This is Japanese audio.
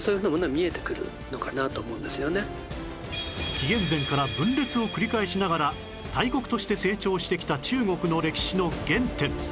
紀元前から分裂を繰り返しながら大国として成長してきた中国の歴史の原点